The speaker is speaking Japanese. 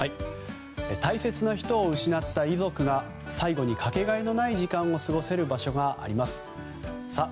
大切な人を失った遺族が最後にかけがえのない時間を過ごせる場所があります。